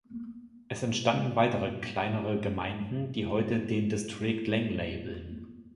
Es entstanden weitere kleinere Gemeinden, die heute den Distrikt Langley bilden.